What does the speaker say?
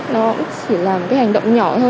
nó chỉ là một cái hành động nhỏ thôi